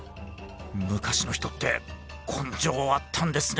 昔の人って根性あったんですね。